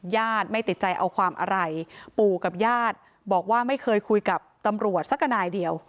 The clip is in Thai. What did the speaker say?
ญาติไม่ติดใจเอาความอะไรปู่กับญาติบอกว่าไม่เคยคุยกับตำรวจสักนายเดียว